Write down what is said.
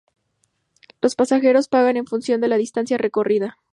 Los pasajeros pagan en función de la distancia recorrida.